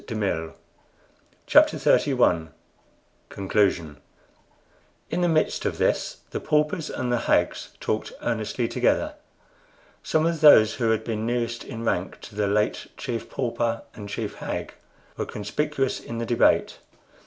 "Sopet Mut!" CHAPTER XXXI CONCLUSION In the midst of this the paupers and the hags talked earnestly together. Some of those who had been nearest in rank to the late Chief Pauper and Chief Hag were conspicuous in the debate.